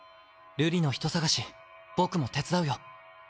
瑠璃の人捜し僕も手伝うよ。